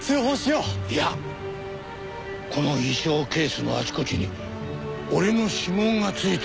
いやこの衣装ケースのあちこちに俺の指紋がついてる。